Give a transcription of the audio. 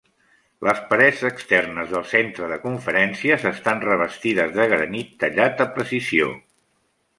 Les parets externes del Centre de Conferències estan revestides de granit tallat a precisió.